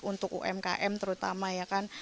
untuk umkm terutama ya kan